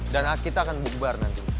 dan kita akan bubar nanti